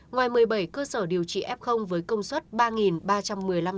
ngoài một mươi bảy cơ sở điều trị f với công suất ba ba trăm một mươi năm mw